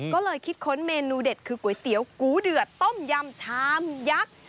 ก็เลยคิดค้นเมนูเด็ดคือก๋วยเตี๋ยวกูเดือดต้มยำชามยักษ์